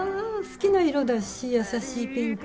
好きな色だし優しいピンクで。